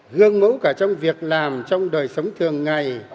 gương mẫu cả trong việc làm trong đời sống thường ngày